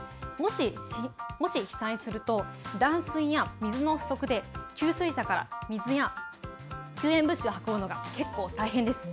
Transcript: もし被災すると、断水や水の不足で、給水車から水や救援物資を運ぶのが結構大変です。